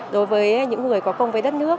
đối với những người có công với đất nước